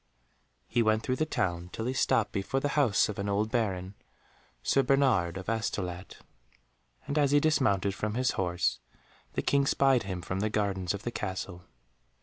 He went through the town till he stopped before the house of an old Baron, Sir Bernard of Astolat, and as he dismounted from his horse, the King spied him from the gardens of the castle.